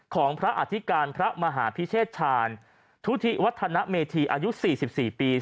ของพระอธิการพระมหาพิเชษชาญทุธิวัฒนเมธีอายุ๔๔ปี